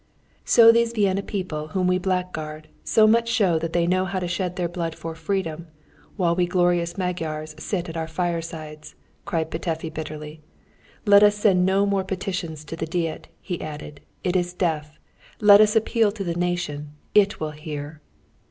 ] "_So these Vienna people whom we blackguard so much show that they know how to shed their blood for freedom while we glorious Magyars sit at our firesides!_" cried Petöfi bitterly. "Let us send no more petitions to the Diet," he added, "it is deaf! Let us appeal to the nation: it will hear!"